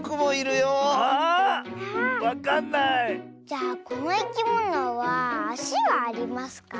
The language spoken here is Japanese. じゃあこのいきものはあしはありますか？